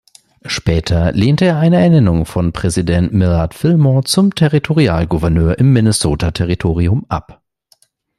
Später lehnte er eine Ernennung von Präsident Millard Fillmore zum Territorialgouverneur im Minnesota-Territorium ab.